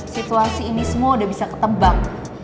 situasi ini semua udah bisa ketebang